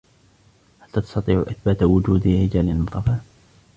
هل تستطيع إثبات وجود رجال النظافة ؟